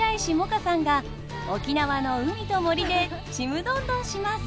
歌さんが沖縄の海と森でちむどんどんします！